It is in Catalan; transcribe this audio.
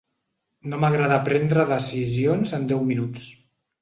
No m’agrada prendre decisions en deu minuts.